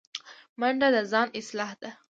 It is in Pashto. منډه د ځان اصلاح ده